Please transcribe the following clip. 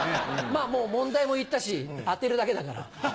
まぁもう問題も言ったし当てるだけだから。